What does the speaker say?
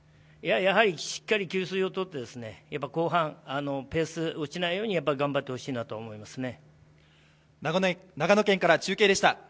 やはりしっかり給水をとって、後半ペース落ちないように頑張ってほしいなと思いますね。